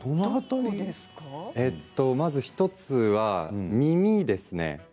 まず１つは、耳ですね。